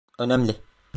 Önemli.